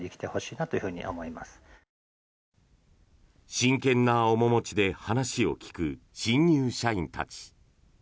真剣な面持ちで話を聞く新入社員たち。